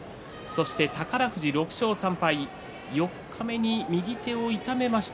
宝富士は６勝３敗四日目に右手を痛めました。